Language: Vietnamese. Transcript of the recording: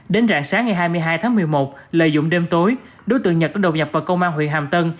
đến rạng sáng ngày hai mươi hai tháng một mươi một lợi dụng đêm tối đối tượng nhật đã đột nhập vào công an huyện hàm tân